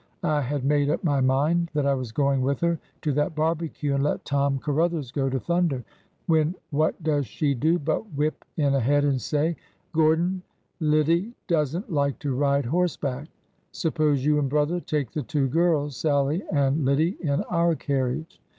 '' I had made up my mind that I was going with her to that barbecue and let Tom Caruthers go to thunder, when what does she do but whip in ahead and say :^ Gordon, Lide does n^t like to ride horseback. Suppose you and brother take the two girls — Sallie and Lide— in our carriage.